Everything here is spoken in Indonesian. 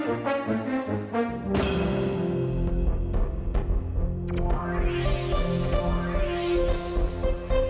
oke tarzan dadah